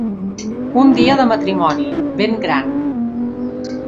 Un dia de matrimoni, ben gran.